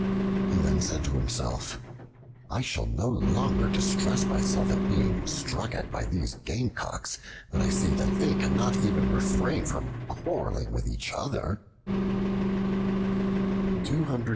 He then said to himself, "I shall no longer distress myself at being struck at by these Gamecocks, when I see that they cannot even refrain from quarreling with each other."